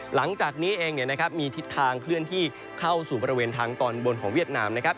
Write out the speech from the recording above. หลังจากนี้เองมีทิศทางเคลื่อนที่เข้าสู่บริเวณทางตอนบนของเวียดนามนะครับ